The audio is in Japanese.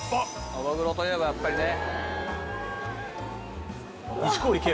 ノドグロといえばやっぱりね。